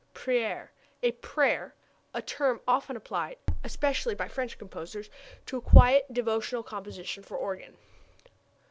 Prière a prayer; a term often applied (especially by French composers) to a quiet, devotional composition for organ.